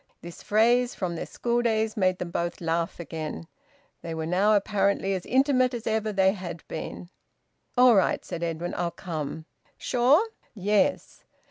This phrase from their school days made them both laugh again. They were now apparently as intimate as ever they had been. "All right," said Edwin. "I'll come." "Sure?" "Yes."